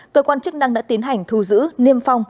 cơ quan chức năng đã tiến hành thu giữ niêm phong